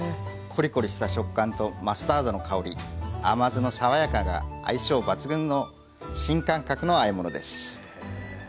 コリコリした食感とマスタードの香り甘酢の爽やかが相性抜群の新感覚のあえ物です。